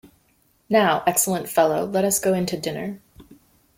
Now, excellent fellow, let us go in to dinner!